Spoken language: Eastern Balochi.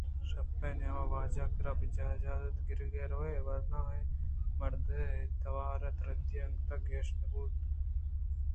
شپ ءِ نیم ءَ واجہ ءِکِرّا پہ اجازت گرگ ءَ روئے؟ ورناہیں مرد ءِ توار ءِ ترٛندی انگت ءَ گیش بوت ءُیک گامے پُشت ءَ کنزاِت